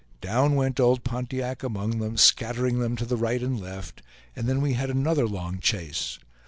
Down went old Pontiac among them, scattering them to the right and left, and then we had another long chase.